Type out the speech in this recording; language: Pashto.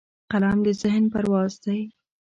قلم د ذهن پرواز دی